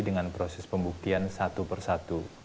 dengan proses pembuktian satu per satu